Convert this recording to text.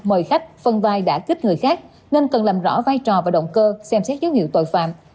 mời khách phân vai đã kích người khác nên cần làm rõ vai trò và động cơ xem xét dấu hiệu tội phạm